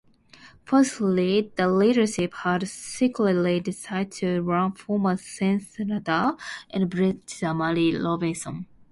Firstly, the leadership had secretly decided to run former senator and barrister Mary Robinson.